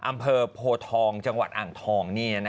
อำเภอโพทองจังหวัดอ่างทอง